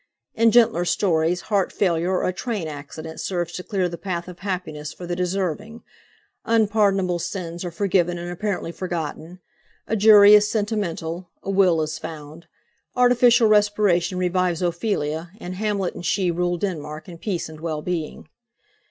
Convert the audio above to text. In gentler stories heart failure or a train accident serves to clear the path of happiness for the deserving; unpardonable sins are forgiven and apparently forgotten; a jury is sentimental; a will is found; artificial respiration revives Ophelia, and Hamlet and she rule Denmark in peace and well being.